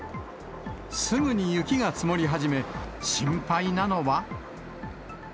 すぐに雪が積もり始め、心配なのは。